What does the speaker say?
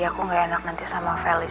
aku gak enak nanti sama felix